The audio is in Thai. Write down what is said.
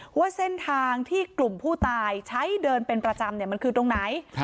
ว่าเส้นทางที่กลุ่มผู้ตายใช้เดินเป็นประจำมันคือตรงไหน